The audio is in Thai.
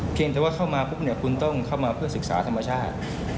เพียงแต่ว่าเข้ามาปุ๊บเนี่ยคุณต้องเข้ามาเพื่อศึกษาธรรมชาติ